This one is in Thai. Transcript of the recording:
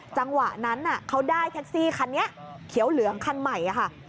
จังหวะนั้นเขาได้แท็กซี่คันนี้เขียวเหลืองคันใหม่ค่ะ